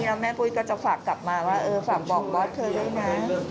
แล้วแม่ปุ้ยก็จะฝากกลับมาว่าเออฝากบอกบอสเธอด้วยนะ